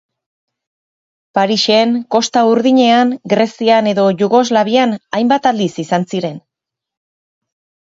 Parisen, Kosta Urdinean, Grezian edo Jugoslavian hainbat aldiz izan ziren.